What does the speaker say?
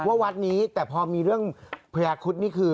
ว่าวัดนี้แต่พอมีเรื่องพญาคุดนี่คือ